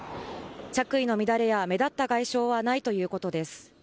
着衣の乱れや目立った外傷はないということです。